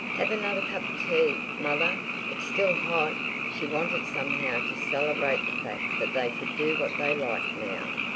"Have another cup of tea, mother. It's still hot." She wanted, somehow, to celebrate the fact that they could do what they liked now.